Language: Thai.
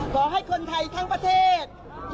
ขอให้คนไทยทั้งประเทศ